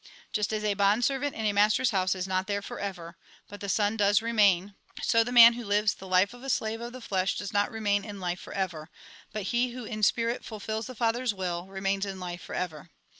Just as a bond servant in a master's house is not there for ever, but the son does remain, so the man v»'ho lives the life of a slave of the flesh does not remain in life for ever ; but he who in spirit fulfils the Father's wiU, remains in life for ever.